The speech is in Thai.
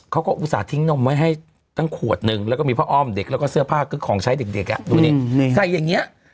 อุตส่าหิ้งนมไว้ให้ตั้งขวดนึงแล้วก็มีพระอ้อมเด็กแล้วก็เสื้อผ้าคือของใช้เด็กดูดิใส่อย่างนี้